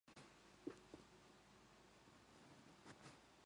ガラスに沿って進み、直角に曲がり、コンクリート壁に沿って歩き